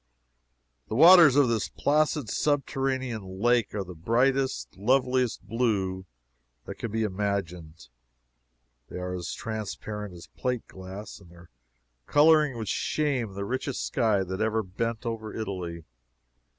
The waters of this placid subterranean lake are the brightest, loveliest blue that can be imagined. They are as transparent as plate glass, and their coloring would shame the richest sky that ever bent over Italy.